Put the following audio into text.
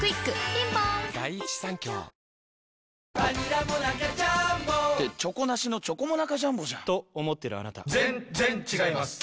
ピンポーンバニラモナカジャーンボって「チョコなしのチョコモナカジャンボ」じゃんと思ってるあなた．．．ぜんっぜんっ違います